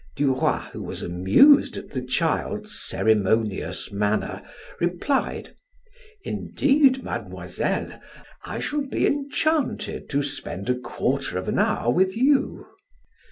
Duroy, who was amused at the child's ceremonious manner, replied: "Indeed, Mademoiselle, I shall be enchanted to spend a quarter of an hour with you."